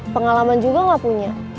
pengalaman juga gak punya